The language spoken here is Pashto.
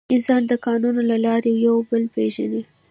انسان د قانون له لارې یو بل پېژني.